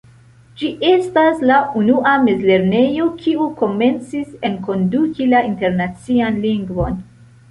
Ĝi estas la unua mezlernejo kiu komencis enkonduki la internacian lingvon.